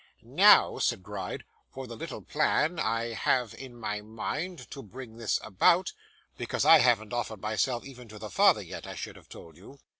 'Now,' said Gride, 'for the little plan I have in my mind to bring this about; because, I haven't offered myself even to the father yet, I should have told you.